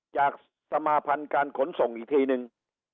จากสมาพันธ์การขนส่งอีกทีนึง